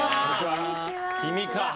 君か！